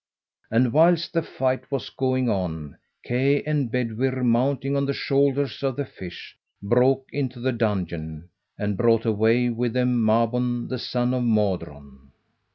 And whilst the fight was going on, Kay and Bedwyr, mounting on the shoulders of the fish, broke into the dungeon, and brought away with them Mabon, the son of Modron.